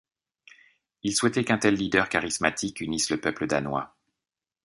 Il souhaitait qu'un tel leader charismatique unisse le peuple danois.